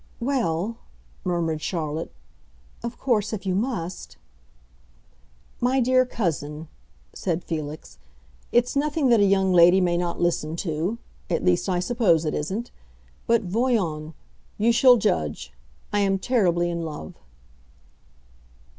"Well," murmured Charlotte; "of course, if you must——" "My dear cousin," said Felix, "it's nothing that a young lady may not listen to. At least I suppose it isn't. But voyons; you shall judge. I am terribly in love."